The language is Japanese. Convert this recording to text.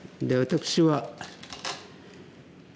で私は。